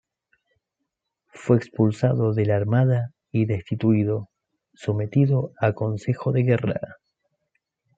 Fue expulsado de la Armada y destituido, sometido a consejo de guerra.